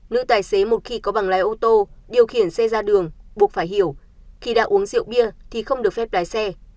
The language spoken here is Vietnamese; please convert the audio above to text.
nữ tài xế một khi có bằng lái ô tô điều khiển xe ra đường buộc phải hiểu khi đã uống rượu bia thì không được phép lái xe